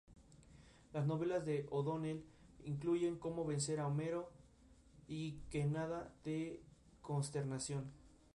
La misión de ese grupo era de colectar informaciones sobre los extraterrestres.